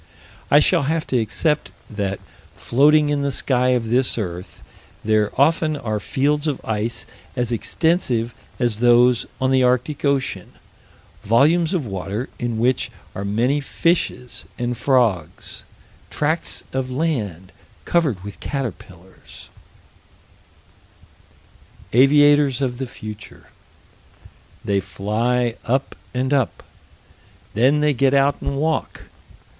I shall have to accept that, floating in the sky of this earth, there often are fields of ice as extensive as those on the Arctic Ocean volumes of water in which are many fishes and frogs tracts of land covered with caterpillars Aviators of the future. They fly up and up. Then they get out and walk.